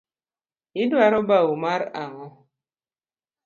Idwaro bau mar ang’o?